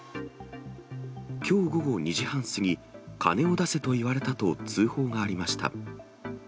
きょう午後２時半過ぎ、金を出せと言われたと通報がありました。